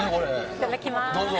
いただきます！